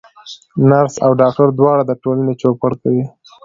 نرس او ډاکټر دواړه د ټولني چوپړ کوي.